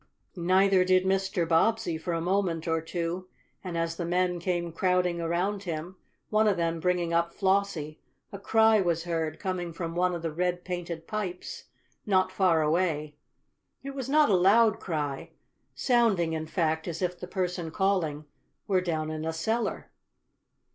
Neither did Mr. Bobbsey for a moment or two, and as the men came crowding around him, one of them bringing up Flossie, a cry was heard, coming from one of the red painted pipes not far away. It was not a loud cry, sounding in fact, as if the person calling were down in a cellar.